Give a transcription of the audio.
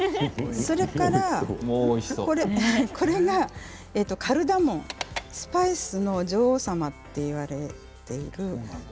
これがカルダモンスパイスの女王様といわれています。